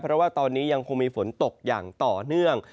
เพราะว่าตอนนี้ยังคงมีฝนตกอย่างต่อเนื่อง